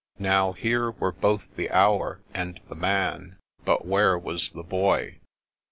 Now, here were both the Hour and the Man: but where was the Boy?